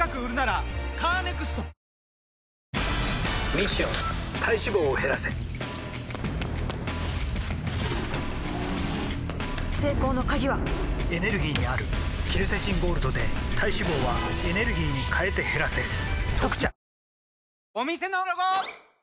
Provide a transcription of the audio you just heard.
ミッション体脂肪を減らせ成功の鍵はエネルギーにあるケルセチンゴールドで体脂肪はエネルギーに変えて減らせ「特茶」